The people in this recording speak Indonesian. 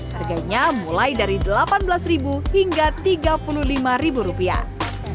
harganya mulai dari delapan belas hingga tiga puluh lima rupiah